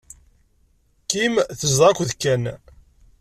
Kim tezdeɣ akked Ken.